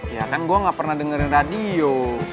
ya kan gue gak pernah dengerin radio